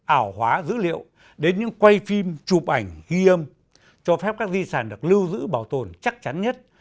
ảo hóa dữ liệu đến những quay phim chụp ảnh ghi âm cho phép các di sản được lưu giữ bảo tồn chắc chắn nhất